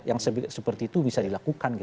yang seperti itu bisa dilakukan